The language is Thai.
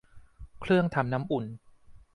เครื่องทำน้ำอุ่น